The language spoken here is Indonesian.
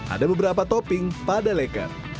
ada beberapa topping pada leker